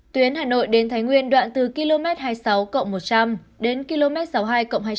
tuyến hà nội đến thái nguyên đoạn từ km hai mươi sáu cộng một trăm linh đến km sáu mươi hai cộng hai trăm linh